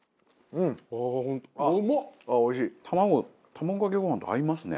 卵かけご飯と合いますね。